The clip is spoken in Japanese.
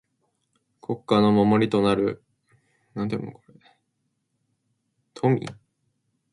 国家の守りとなる臣。